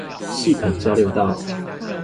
系統交流道